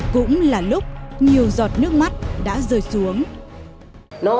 cũng là lúc nhiều giọt nước mắt đã rơi xuống